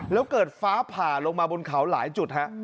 แล้วเกิดฟ้าผ่าลงมาบนเขาหลายจุดฮะ